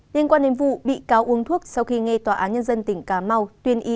liên quan đến vụ bị cáo uống thuốc sau khi nghe tòa án nhân dân tỉnh cà mau